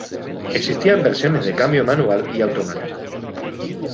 Existían versiones de cambio manual y automático.